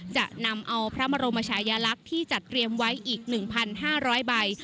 จะนำเอาพระบรมชายลักษณ์ที่จัดเตรียมไว้อีก๑๕๐๐ใบ